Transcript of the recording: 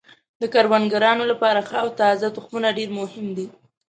د کروندګرانو لپاره ښه او تازه تخمونه ډیر مهم دي.